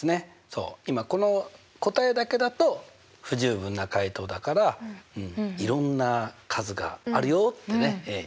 そう今この答えだけだと不十分な解答だからいろんな数があるよってね。